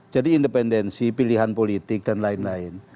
jadi independensi pilihan politik dan lain lain